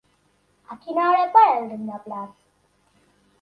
A quina hora pararà el rentaplats?